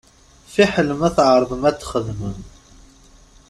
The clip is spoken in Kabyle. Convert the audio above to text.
Fiḥel ma tεerḍem ad t-txedmem.